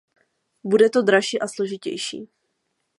Bude to dražší a složitější.